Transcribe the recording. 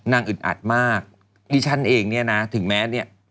อึดอัดมากดิฉันเองเนี่ยนะถึงแม้เนี่ย